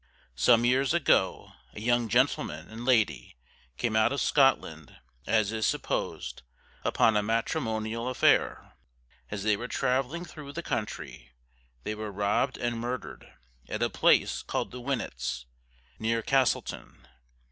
Some years ago, a young gentleman and lady came out of Scotland, as is supposed, upon a matrimonial affair. As they were travelling through the country, they were robbed and murdered, at a place called the Winnetts, near Castleton.